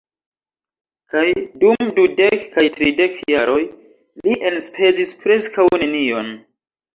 Kaj, dum dudek kaj tridek jaroj, li enspezis preskaŭ nenion.